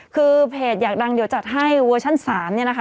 คือเพจอยากดังเดี๋ยวจัดให้เวอร์ชั่น๓เนี่ยนะคะ